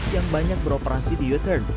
yang banyak beroperasi di u turn